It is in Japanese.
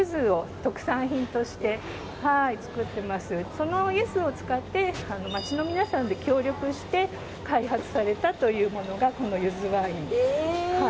そのゆずを使って町の皆さんで協力して開発されたというものがこのゆずワイン。